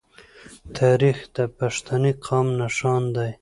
تاریخ د پښتني قام نښان دی.